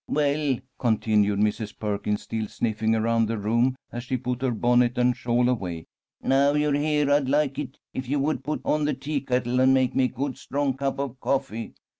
"Well," continued Mrs. Perkins, still sniffing around the room, as she put her bonnet and shawl away. "Now you're here I'd like it if you would put on the teakettle and make me a good strong cup of coffee.